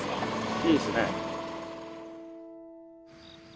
いいですね。